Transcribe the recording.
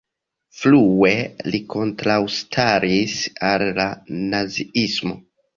Frue li kontraŭstaris al la naziismo.